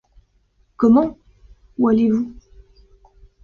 Comment! où allez-vous?